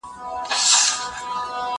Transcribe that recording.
هغه وويل چي درسونه تيارول ضروري دي؟